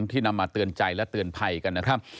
นำมาเตือนใจและเตือนภัยกันนะครับ